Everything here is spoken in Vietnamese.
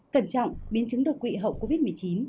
cẩn trọng biến chứng đột quỵ hậu covid một mươi chín